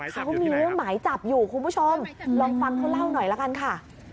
เขามีเรื่องหมายจับอยู่คุณผู้ชมลองฟังเขาเล่าหน่อยละกันค่ะ